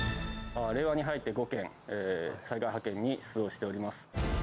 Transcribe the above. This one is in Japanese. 令和に入って５件、災害派遣に出動しております。